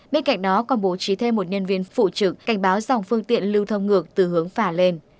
bên cạnh đó còn bố trí thêm một nhân viên phụ trực cảnh báo dòng phương tiện lưu thông ngược từ hướng phả lên